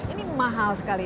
ini mahal sekali